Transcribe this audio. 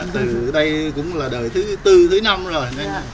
từ đây cũng là đời thứ tư thứ năm rồi đấy